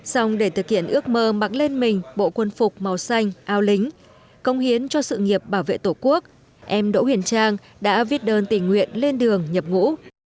xong để thực hiện ước mơ mặc lên mình bộ quân phục màu xanh ao lính công hiến cho sự nghiệp bảo vệ tổ quốc em đỗ huyền trang đã viết đơn tình nguyện lên đường nhập ngũ